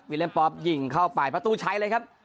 วิเล็มป๊อปยิงเข้าไปประตูใช้เลยครับ